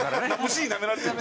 虫になめられてる？